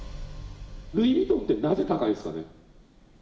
ルイ・ヴィトンってなぜ高いんですかね？